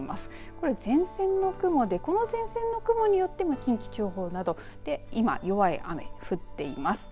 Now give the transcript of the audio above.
これ前線の雲でこの前線の雲によって近畿地方など今、弱い雨が降っています。